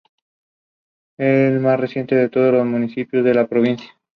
Varios cientos de kilómetros hacia el sur aparece otro cráter enorme, Apolo.